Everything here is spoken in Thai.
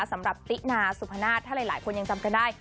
สำหรับตินาสุพนาศถ้าหลายคนยังจำกันได้